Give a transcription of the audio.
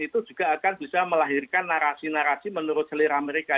itu juga akan bisa melahirkan narasi narasi menurut selera mereka